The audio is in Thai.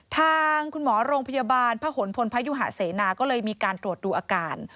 ทางคุณหมอโรงพยาบาลพระหลพลพยุหะเสนาก็เลยมีการตรวจดูอาการ